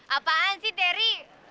apaan sih terry